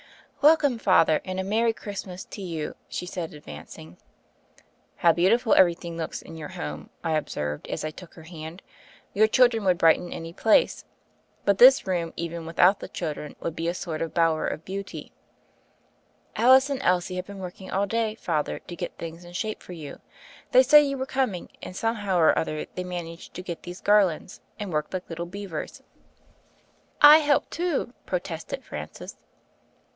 "Welcome, Father, and a Merry Christmas to you," she said, advancing. How beautiful everything looks in your home," I observed as I took her hand. "Your children would brighten any place ; but this room even without the children would be a sort of bower of beauty." "Alice and Elsie have been working all day. Father, to get things in shape for you. They said you were coming and somehow or other they managed to get these garlands, and worked like little beavers." 78 THE FAIRY OF THE SNOWS "I helped, too," protested Francis.